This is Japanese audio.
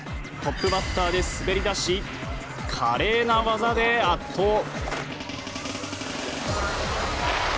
トップバッターで滑り出し華麗な技で圧倒。